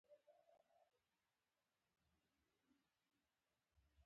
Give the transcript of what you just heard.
د ننی ورځې ډیپلوماسي شفافه او ښکاره ده